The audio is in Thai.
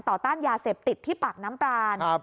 ต้านยาเสพติดที่ปากน้ำปราน